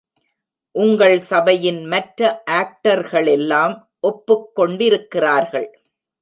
உங்கள் சபையின் மற்ற ஆக்டர்களெல்லாம் ஒப்புக் கொண்டிருக்கிறார்கள்.